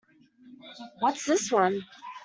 What's this one?